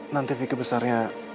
nanti vicky besarnya